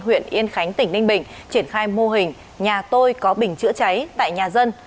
huyện yên khánh tỉnh ninh bình triển khai mô hình nhà tôi có bình chữa cháy tại nhà dân